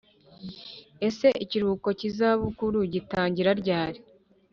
ese ikiruhuko kizabukuru gitangira ryari